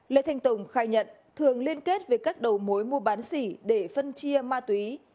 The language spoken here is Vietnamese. lê thanh tùng khai nhận thường liên kết với các đầu mối mua bán xỉ để phân chia ma túy